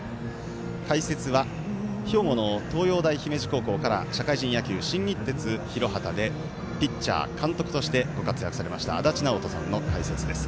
解説は兵庫の東洋大姫路から社会人野球、新日鉄広畑でピッチャー、監督としてご活躍されました足達尚人さんの解説です。